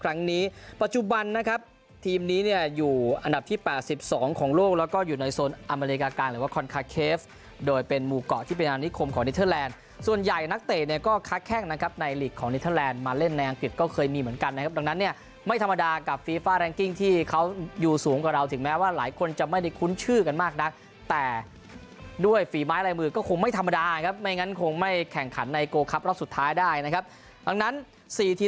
ครับครั้งนี้ปัจจุบันนะครับทีมนี้เนี่ยอยู่อันดับที่๘๒ของโลกแล้วก็อยู่ในโซนอเมริกาการหรือว่าคอนคาร์เคฟโดยเป็นหมู่เกาะที่เป็นอาณิคมของนิทเตอร์แลนด์ส่วนใหญ่นักเตะเนี่ยก็ค่ะแค่งนะครับในหลีกของนิทเตอร์แลนด์มาเล่นในอังกฤษก็เคยมีเหมือนกันนะครับดังนั้นเนี่ยไม่ธรรมดากับฟี